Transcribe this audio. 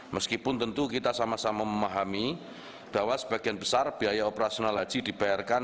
meskipun tentu kita sama sama memahami bahwa sebagian besar biaya operasional haji dibayarkan